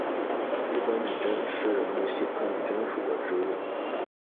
日本女贞是木犀科女贞属的植物。